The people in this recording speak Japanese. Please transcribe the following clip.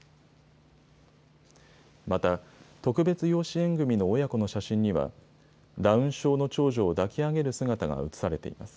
また、特別養子縁組の親子の写真には、ダウン症の長女を抱き上げる姿が写されています。